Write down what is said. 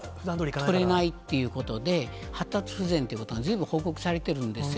取れないっていうことで、発達不全ということがずいぶん報告されてるんですよ。